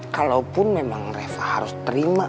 kalaupun memang reva harus terima